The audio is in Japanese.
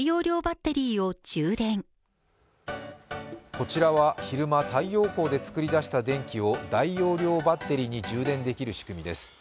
こちらは昼間、太陽光で作り出した電気を大容量バッテリーに充電できる仕組みです。